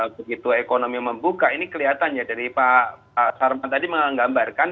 begitu ekonomi membuka ini kelihatan ya dari pak sarman tadi menggambarkan